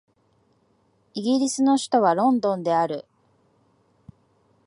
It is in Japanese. イギリスの首都はロンドンである